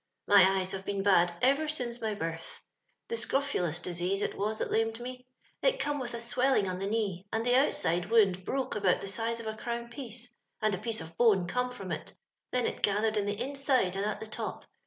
My eyes have been bad ever since my birth. The scrofulous disease it was that lamed me — it come with a swelling on the knee, and the outside wound broke about the nize of a crown piece, and a piece of bone come from it ; then it gathered in the inside and at the top.